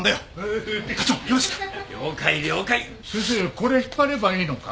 これ引っ張ればいいのか？